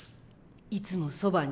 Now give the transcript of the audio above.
「いつもそばに」。